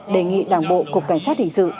đề nghị đảng bộ cục cảnh sát hình sự